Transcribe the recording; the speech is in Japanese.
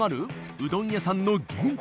うどん屋さんの限定